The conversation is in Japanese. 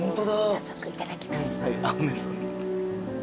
早速いただきます。